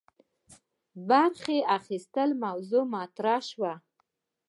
برخي اخیستلو موضوع مطرح سي.